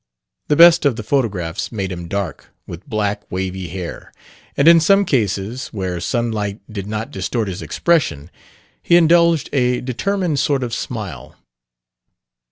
The best of the photographs made him dark, with black, wavy hair; and in some cases (where sunlight did not distort his expression) he indulged a determined sort of smile.